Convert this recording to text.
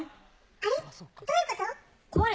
あれ？